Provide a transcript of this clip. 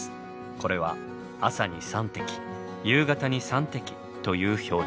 これは朝に３滴夕方に３滴という表示。